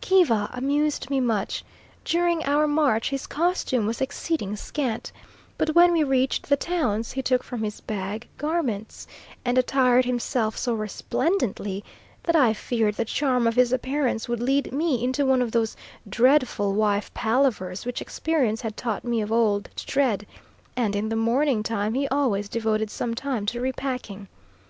Kiva amused me much; during our march his costume was exceeding scant, but when we reached the towns he took from his bag garments, and attired himself so resplendently that I feared the charm of his appearance would lead me into one of those dreadful wife palavers which experience had taught me of old to dread; and in the morning time he always devoted some time to repacking.